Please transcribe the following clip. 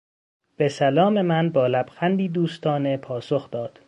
به سلام من با لبخندی دوستانه پاسخ داد.